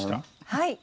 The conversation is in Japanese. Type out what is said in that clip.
はい。